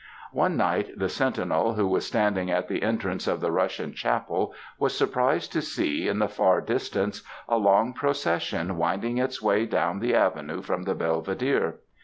"One night the sentinel, who was standing at the entrance of the Russian chapel, was surprised to see, in the far distance, a long procession winding its way down the avenue from the Belvedere.